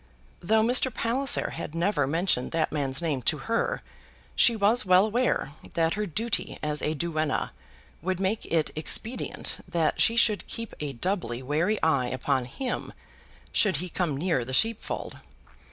Though Mr. Palliser had never mentioned that man's name to her, she was well aware that her duty as a duenna would make it expedient that she should keep a doubly wary eye upon him should he come near the sheepfold.